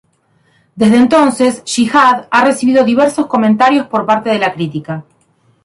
Desde entonces "Jihad" ha recibido diversos comentarios por parte de la crítica.